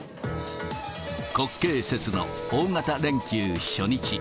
国慶節の大型連休初日。